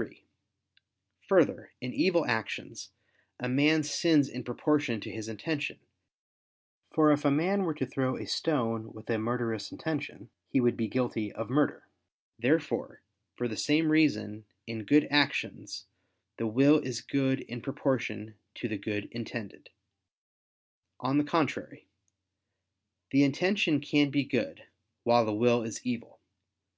3: Further, in evil actions, a man sins in proportion to his intention: for if a man were to throw a stone with a murderous intention, he would be guilty of murder. Therefore, for the same reason, in good actions, the will is good in proportion to the good intended. On the contrary, The intention can be good, while the will is evil.